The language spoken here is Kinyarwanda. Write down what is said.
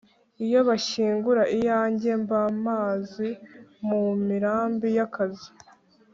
iyo bashyingura iyanjye mba mpazi, mu mirambi ya kazi,